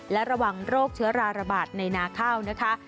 และระวังโรคเชื้อราระบาดในนาข้าวนะคะ